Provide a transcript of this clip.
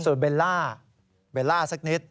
ส่วนเบลล่าเบลล่าสักนิด